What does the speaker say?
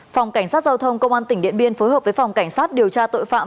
phòng cảnh sát giao thông công an tỉnh điện biên phối hợp với phòng cảnh sát điều tra tội phạm